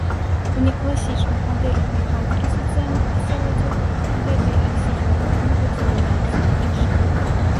У некласічных мадэлях механікі суцэльных асяроддзяў гэтыя аксіёмы могуць замяняцца іншымі.